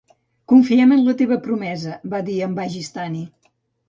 "Confiem en la teva promesa", va dir en Bagistani.